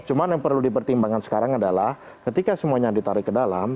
cuma yang perlu dipertimbangkan sekarang adalah ketika semuanya ditarik ke dalam